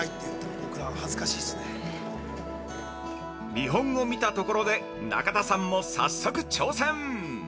◆見本を見たところで中田さんも早速挑戦。